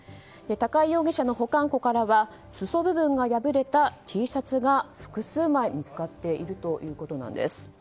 高井容疑者の保管庫からは裾部分が破れたＴシャツが複数枚見つかっているということです。